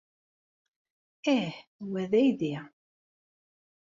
Ih, wa d aydi.